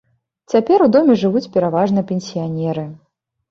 Цяпер у доме жывуць пераважна пенсіянеры.